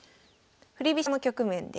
振り飛車の局面です。